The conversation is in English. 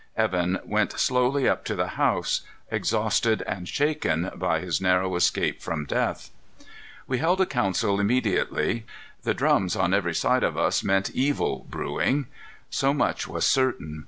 Evan went slowly up to the house, exhausted and shaken by his narrow escape from death. We held a council immediately. The drums on every side of us meant evil brewing. So much was certain.